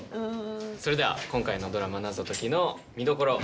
それでは今回のドラマ謎解きの見どころ。